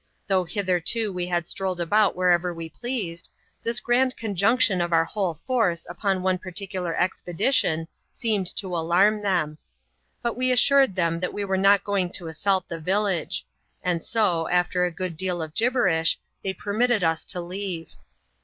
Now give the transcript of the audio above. Though hitherto we had strolled about wherever we pleased, this grand conjunction of our whole force upon one particular expedition, seemed to alarm them. But we assured them that we were not going to assault the village ; and so, after a good deal of gibberish, they permitted us to leave.